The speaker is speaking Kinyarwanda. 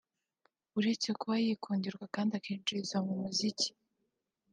uretse kuba yikundirwa kandi akinjiriza mu muziki